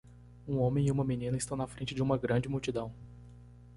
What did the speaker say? Um homem e uma menina estão na frente de uma grande multidão.